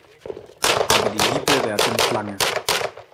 Aber die Liebe währte nicht lang.